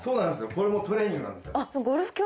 これもトレーニングなんですよ。